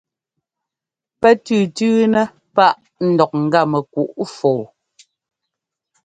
Pɛ́ tʉ́tʉ́nɛ́ páꞌ ńdɔk ŋ́gá mɛkuꞌ fɔɔ.